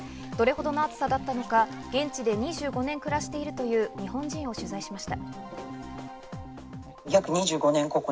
どれほどの暑さだったのか現地で２５年暮らしているという日本人を取材しました。